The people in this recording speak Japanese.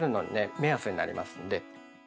目安になりますんで。